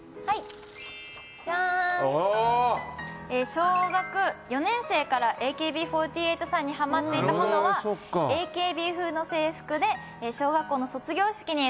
小学４年生からＡＫＢ４８さんにハマっていた保乃はＡＫＢ風の制服で小学校の卒業式に参加していたみたいです。